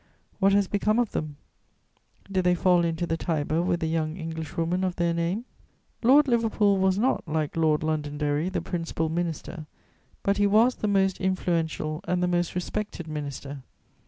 What has become of them? Did they fall into the Tiber with the young Englishwoman of their name? [Sidenote: The Earl of Liverpool.] Lord Liverpool was not, like Lord Londonderry, the principal minister; but he was the most influential and the most respected minister.